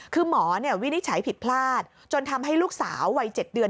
คือหมอวินิจฉัยผิดพลาดจนทำให้ลูกสาววัย๗เดือน